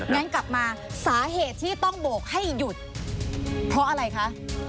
งั้นกลับมาสาเหตุที่ต้องโบกให้หยุดเพราะอะไรคะ